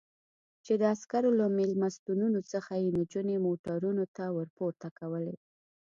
چې د عسکرو له مېلمستونونو څخه یې نجونې موټرونو ته ور پورته کولې.